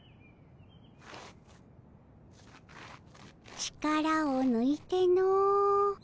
力をぬいての。